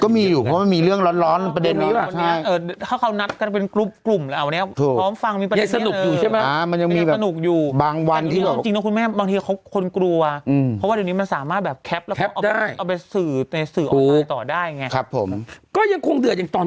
ไม่มีคนพูดคลิปอยู่